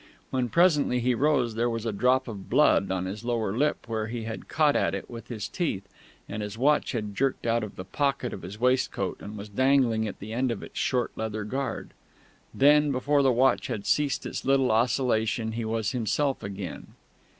When presently he rose there was a drop of blood on his lower lip where he had caught at it with his teeth, and his watch had jerked out of the pocket of his waistcoat and was dangling at the end of its short leather guard.... Then, before the watch had ceased its little oscillation, he was himself again.